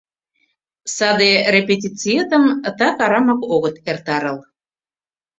Саде репетициетым так арамак огыт эртарыл...